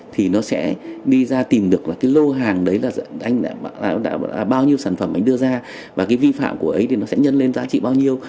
thì nó sẽ đi ra tìm được là cái lô hàng đấy là anh đã bao nhiêu sản phẩm anh đưa ra và cái vi phạm của ấy thì nó sẽ nhân lên giá trị bao nhiêu